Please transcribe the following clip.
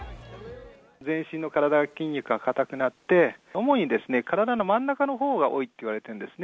全身の体の筋肉が硬くなって、主に体の真ん中のほうが多いって言われてるんですね。